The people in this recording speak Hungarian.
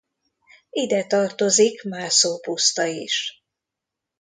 Ide tartozik Mászó-puszta is.